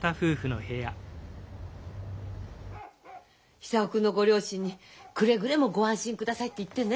久男君のご両親にくれぐれもご安心くださいって言ってね。